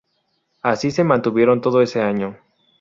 Así se mantuvieron todo ese año.